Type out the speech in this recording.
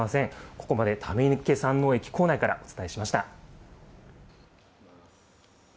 ここまで溜池山王駅構内からお伝えしました。